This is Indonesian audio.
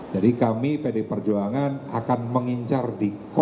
jadi kami pdi perjuangan akan mengincar di dua